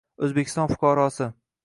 O’zbekiston fuqarosi